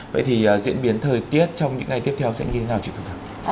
vậy thì diễn biến thời tiết trong những ngày tiếp theo sẽ như thế nào chị phương thảo